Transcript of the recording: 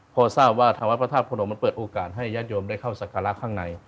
พอทราบว่าทางวัดพระธาตุพนมมันเปิดโอกาสให้ญาติโยมได้เข้าศักระข้างใน